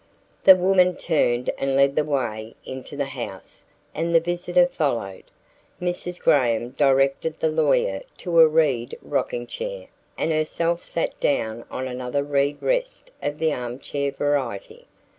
The woman turned and led the way into the house and the visitor followed. Mrs. Graham directed the lawyer to a reed rockingchair and herself sat down on another reed rest of the armchair variety.